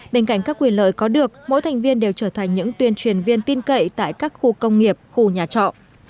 bên cạnh các quyền lợi có được mỗi thành viên đều trở thành những tuyên truyền viên tin cậy tại các khu công nghiệp khu nhà trọ